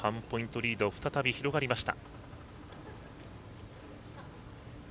リード再び、広がりました。